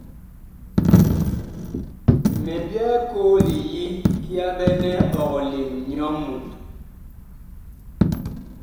Mi byɛɛ koo li yi kiyaɓɛnɛ ɔg lem nyɔ Mut.